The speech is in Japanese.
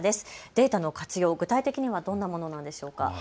データの活用、具体的にはどんなものなんでしょうか。